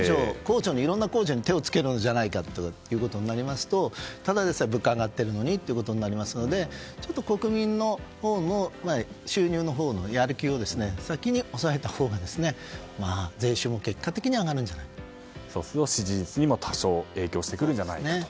いろんな控除に手を付けるのではないかとなるとただでさえ物価が上がってるのにってなりますので国民のほうの収入のほうのやる気を先に抑えたほうが税収のそうすると支持率にも多少、影響してくるんじゃないかと。